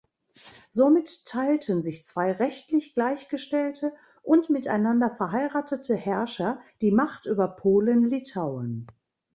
Somit teilten sich zwei rechtlich gleichgestellte und miteinander verheiratete Herrscher die Macht über Polen-Litauen.